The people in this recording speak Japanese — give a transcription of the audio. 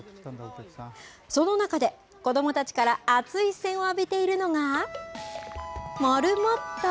その中で子どもたちから熱い視線を浴びているのがモルモット。